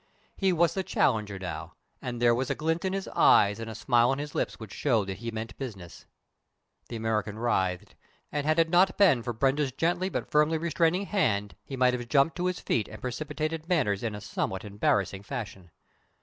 He was the challenger now, and there was a glint in his eyes and a smile on his lips which showed that he meant business. The American writhed, and had it not been for Brenda's gently but firmly restraining hand, he might have jumped to his feet and precipitated matters in a somewhat embarrassing fashion.